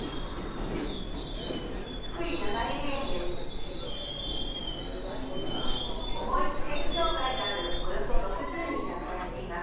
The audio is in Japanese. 津久井やまゆり園です。